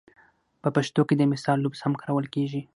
په پښتو کې د مثال لفظ هم کارول کېږي